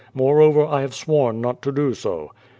Moreover, I have sworn not to do so."